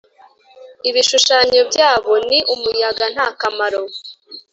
Ibishushanyo byabo? Ni umuyaga, nta kamaro!